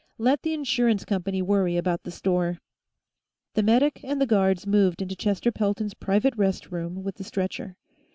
Let the insurance company worry about the store." The medic and the guards moved into Chester Pelton's private rest room with the stretcher.